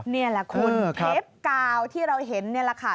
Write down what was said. นี่แหละคุณเทปกาวที่เราเห็นนี่แหละค่ะ